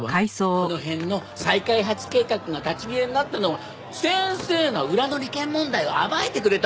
この辺の再開発計画が立ち消えになったのは先生が裏の利権問題を暴いてくれたおかげよ。